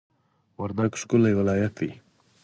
وردګ ښکلی ولایت دی